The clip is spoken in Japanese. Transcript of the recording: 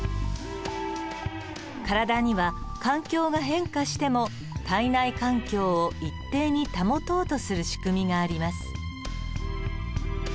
体には環境が変化しても体内環境を一定に保とうとする仕組みがあります。